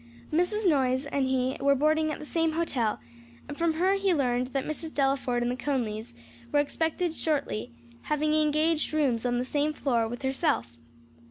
Mrs. Noyes and he were boarding at the same hotel, and from her he learned that Mrs. Delaford and the Conlys were expected shortly, having engaged rooms on the same floor with herself.